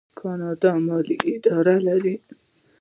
کاناډا د مالیې اداره لري.